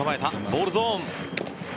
ボールゾーン。